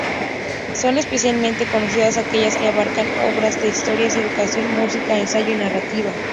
Son especialmente conocidas aquellas que abarcan obras de historia, educación, música, ensayo y narrativa.